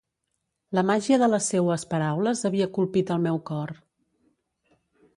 La màgia de les seues paraules havia colpit el meu cor.